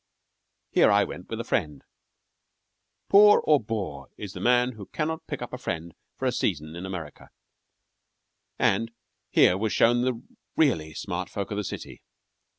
Here I went with a friend poor or boor is the man who cannot pick up a friend for a season in America and here was shown the really smart folk of the city.